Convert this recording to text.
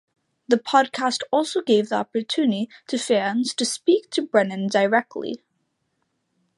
The podcast also gave the opportunity to fans to speak to Brennan directly.